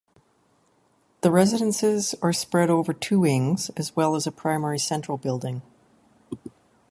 The residences are spread over two wings as well as a primary central building.